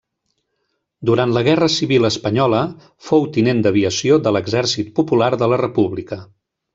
Durant la guerra civil espanyola fou tinent d'aviació de l'Exèrcit Popular de la República.